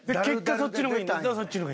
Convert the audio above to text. そっちの方がいいんです。